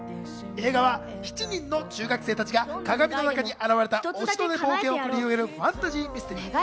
映画は７人の中学生たちが鏡の中に現れたお城で冒険を繰り広げるファンタジー・ミステリー。